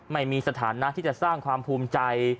ไม่มีสถานะที่จะสร้างความภูมิใจ